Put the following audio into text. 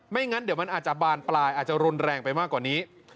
งั้นเดี๋ยวมันอาจจะบานปลายอาจจะรุนแรงไปมากกว่านี้